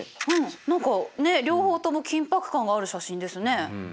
何かねっ両方とも緊迫感がある写真ですね。